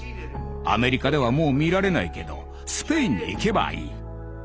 アメリカではもう見られないけどスペインに行けばいい。